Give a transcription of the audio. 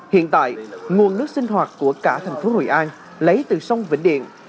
hiện tại nguồn nước sinh hoạt của cả thành phố hội an lấy từ sông vĩnh điện